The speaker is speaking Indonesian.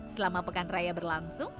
selama pekan raya berlangsung